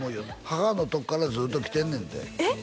母のとこからずっと来てるねんてえっ？